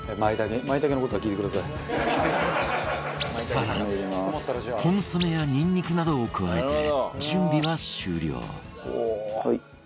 更にコンソメやニンニクなどを加えて準備は終了